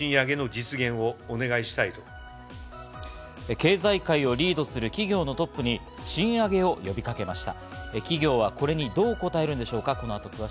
経済界をリードする企業のトップに賃上げを呼びかけました。